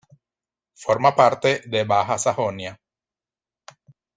Forma parte de Baja Sajonia.